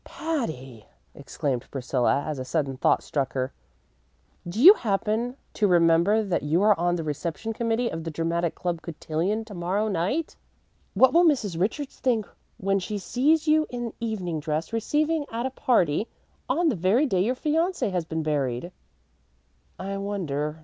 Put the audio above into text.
"Patty," exclaimed Priscilla, as a sudden thought struck her, "do you happen to remember that you are on the reception committee of the Dramatic Club cotillion to morrow night? What will Mrs. Richards think when she sees you in evening dress, receiving at a party, on the very day your fiancé has been buried?" "I wonder?"